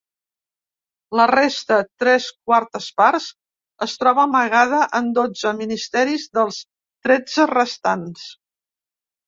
La resta, tres quartes parts, es troba amagada en dotze ministeris dels tretze restants.